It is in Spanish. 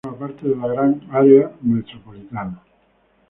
El cantón forma parte de la Gran Área Metropolitana.